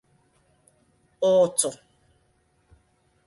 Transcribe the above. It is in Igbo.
Ụtụh